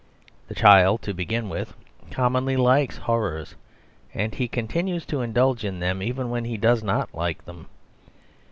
The child, to begin with, commonly likes horrors, and he continues to indulge in them even when he does not like them.